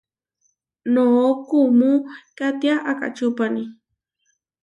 Noʼó kuumú katiá akáʼčupani.